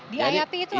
diayapi itu apa